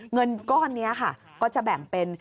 เงินก้อนนี้ค่ะก็จะแบ่งเป็น